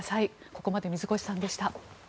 ここまで水越さんでした。